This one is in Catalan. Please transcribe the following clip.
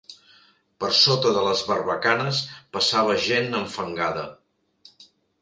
Per sota de les barbacanes passava gent enfangada.